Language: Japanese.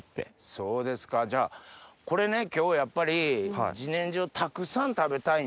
そうですかじゃあこれね今日やっぱり自然薯をたくさん食べたいんですよ。